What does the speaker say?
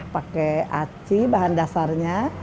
pakai aci bahan dasarnya